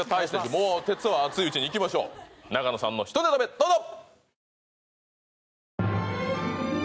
もう鉄は熱いうちにいきましょう永野さんの１ネタ目どうぞ！